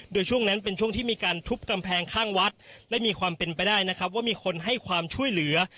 โดยช่วงนั้นเป็นช่วงที่มีการทุบกำแพงข้างวัดและมีความเป็นไปได้นะครับว่ามีคนให้ความช่วยเหลือ